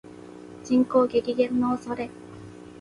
人口激減の恐れ